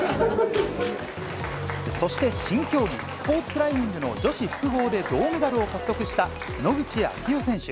そして、新競技、スポーツクライミングの女子複合で銅メダルを獲得した野口啓代選手。